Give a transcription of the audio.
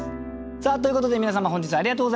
さあということで皆様本日はありがとうございました。